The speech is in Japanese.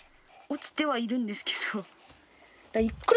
落ちてはいるんですけど。